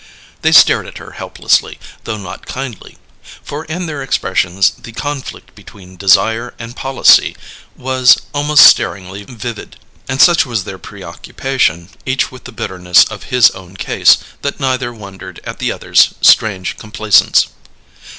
They stared at her helplessly, though not kindly; for in their expressions the conflict between desire and policy was almost staringly vivid. And such was their preoccupation, each with the bitterness of his own case, that neither wondered at the other's strange complaisance.